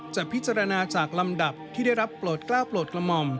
จะพิจารณาจากลำดับที่ได้รับโปรดกล้าวโปรดกระหม่อม